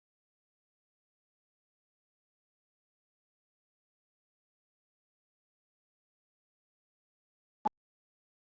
มีแสนแสสักขึ้นแช่ชั้นนจริงทิ้ง